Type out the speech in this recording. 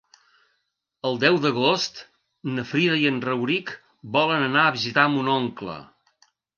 El deu d'agost na Frida i en Rauric volen anar a visitar mon oncle.